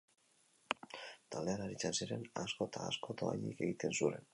Taldean aritzen ziren asko ta asko dohainik egiten zuren.